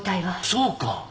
そうか！